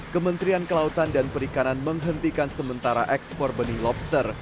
kementerian kelautan dan perikanan menghentikan sementara ekspor benih lobster